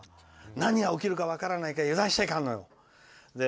何が起きるか分からないから油断しちゃいかんのよ。